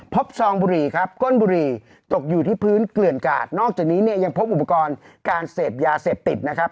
ซองบุหรี่ครับก้นบุหรี่ตกอยู่ที่พื้นเกลื่อนกาดนอกจากนี้เนี่ยยังพบอุปกรณ์การเสพยาเสพติดนะครับ